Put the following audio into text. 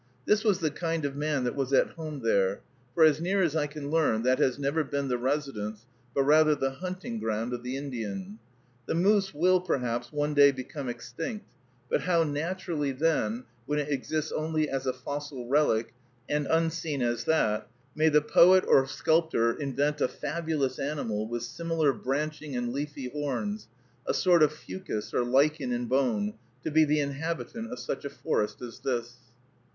This was the kind of man that was at home there; for, as near as I can learn, that has never been the residence, but rather the hunting ground of the Indian. The moose will, perhaps, one day become extinct; but how naturally then, when it exists only as a fossil relic, and unseen as that, may the poet or sculptor invent a fabulous animal with similar branching and leafy horns, a sort of fucus or lichen in bone, to be the inhabitant of such a forest as this!